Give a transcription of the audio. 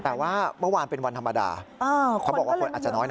แต่ว่าเมื่อวานเป็นวันธรรมดาเขาบอกว่าคนอาจจะน้อย